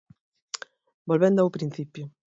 Volvendo ao principio.